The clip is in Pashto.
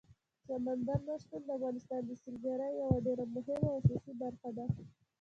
سمندر نه شتون د افغانستان د سیلګرۍ یوه ډېره مهمه او اساسي برخه ده.